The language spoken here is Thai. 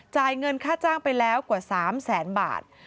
จ่ายเงินค่าจ้างไปแล้วกว่า๓แสนบาท